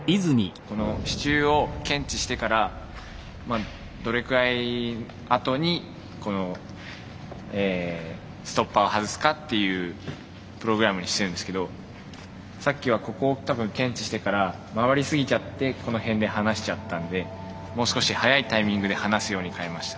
この支柱を検知してからどれくらいあとにこのストッパーを外すかっていうプログラムにしてるんですけどさっきはここを多分検知してから回り過ぎちゃってこの辺で放しちゃったんでもう少し早いタイミングで放すように変えました。